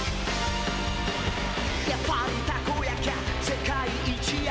「やっぱりタコ焼きゃ世界一やと」